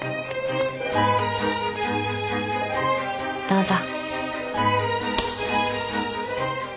どうぞ。